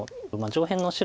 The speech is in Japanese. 上辺の白。